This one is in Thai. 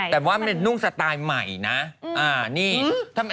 แต่ว่ามันนุ่งสไตล์ใหม่นะ